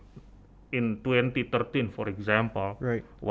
membandingkan dengan tahun dua ribu tiga belas